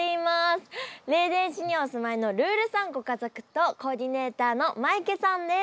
レーデン市にお住まいのルールさんご家族とコーディネーターのマイケさんです。